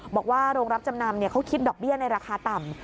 บอกว่าโรงรับจำนำเขาคิดดอกเบี้ยในราคาต่ำ